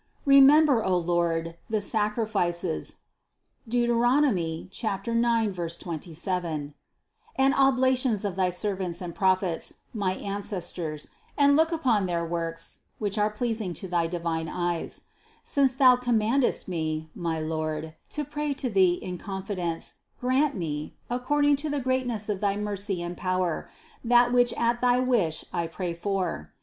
Remember, O Lord, the sacrifices (Deut. 9, 27) and oblations of thy ser vants and prophets, my ancestors, and look upon their works, which were pleasing to thy divine eyes. Since Thou commandest me, my Lord, to pray to Thee in con fidence, grant me, according to the greatness of thy mercy and power, that which at thy wish I pray for.